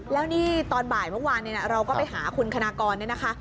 แล้วนี่ตอนบ่ายเมื่อวานเราก็ไปหาคุณคณะกรเนี่ยนะคะ